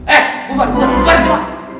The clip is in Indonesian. eh bubar bubar semua